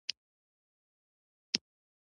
لاندې جمع نومونه په مفرد بڼه ولیکئ.